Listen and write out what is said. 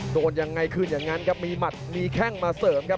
โดนยังไงคืนอย่างนั้นครับมีหมัดมีแข้งมาเสริมครับ